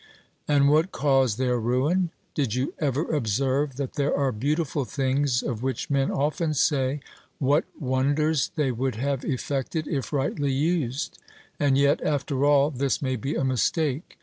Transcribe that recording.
And what caused their ruin? Did you ever observe that there are beautiful things of which men often say, 'What wonders they would have effected if rightly used?' and yet, after all, this may be a mistake.